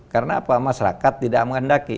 karena apa masyarakat tidak mengendaki